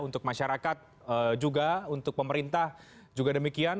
untuk masyarakat juga untuk pemerintah juga demikian